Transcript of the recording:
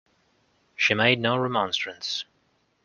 She made no remonstrance.